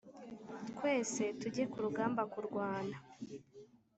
twese tujye ku rugamba kurwana